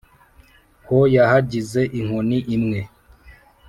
ho yahagize inkoni imwe.